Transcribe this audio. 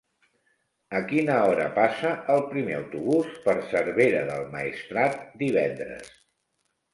A quina hora passa el primer autobús per Cervera del Maestrat divendres?